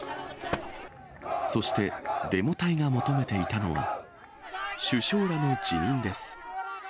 そして、デモ隊が求めていたのは、首相らの辞任です。